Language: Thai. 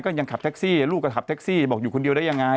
ยังขับแท็กซี่ลูกก็ขับแท็กซี่บอกอยู่คนเดียวได้ยังไง